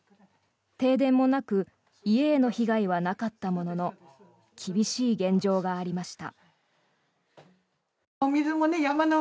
停電もなく家への被害はなかったものの厳しい現状がありました。